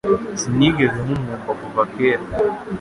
Sinigeze mumwumva kuva kera